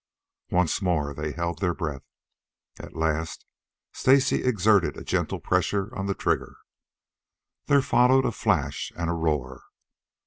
Once more they held their breath. At last Stacy exerted a gentle pressure on the trigger. There followed a flash and a roar.